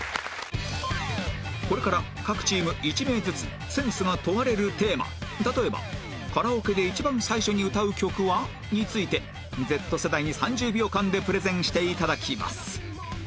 これから各チーム１名ずつセンスが問われるテーマ例えばカラオケで一番最初に歌う曲は？について Ｚ 世代に３０秒間でプレゼンして頂きます